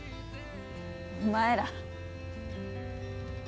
お前ら。